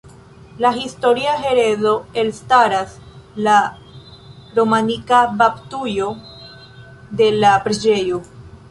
El historia heredo elstaras la romanika baptujo de la preĝejo.